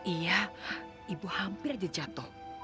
iya ibu hampir aja jatuh